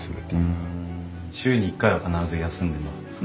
週に１回は必ず休んでるんですか？